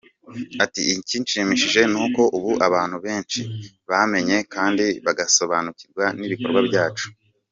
Ati “Ikinshimishije ni uko ubu abantu benshi bamenye kandi bagasobanukirwa n’ibikorwa byacu.